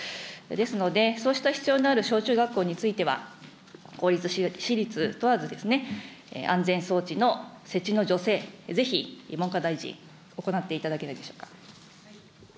ですので、そうした必要のある小中学校については、公立、私立問わず、安全装置の設置の助成、ぜひ文科大臣、行っていただけないでしょうか。